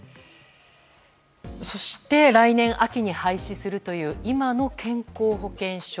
そして来年秋に廃止するという今の健康保険証。